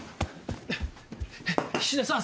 菱田さん